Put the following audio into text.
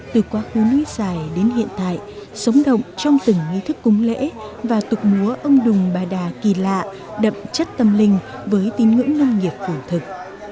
từ quá khứ núi dài đến hiện tại sống động trong từng nghi thức cúng lễ và tục múa ông đùng bà đà kỳ lạ đậm chất tâm linh với tín ngưỡng lâm nghiệp phủ thực